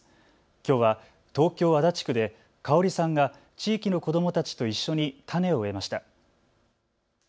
きょうは東京足立区で香さんが地域の子どもたちと一緒に種を植えました。